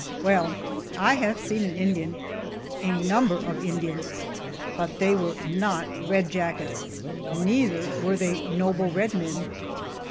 Well, I have seen an Indian a number of Indians but they were not Red Jackets, neither were they noble red men.